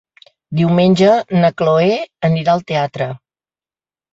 Diumenge na Chloé anirà al teatre.